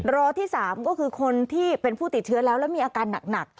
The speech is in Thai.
รอที่๓ก็คือคนที่เป็นผู้ติดเชื้อแล้วแล้วมีอาการหนัก